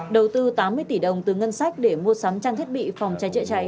đầu tư tám mươi tỷ đồng từ ngân sách để mua sắm trang thiết bị phòng cháy chữa cháy